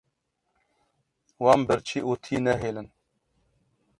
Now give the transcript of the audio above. Wan birçî û tî nehêlin.